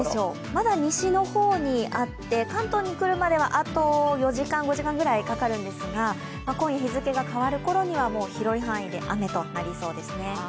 まだ西の方にあって、関東に来るまではあと４時間、５時間ぐらいかかるんですが、今夜日付が変わる頃にはもう広い範囲で雨となりそうですね。